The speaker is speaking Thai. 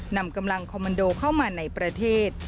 นำกำลังคอมมันโดเข้ามาในประเทศ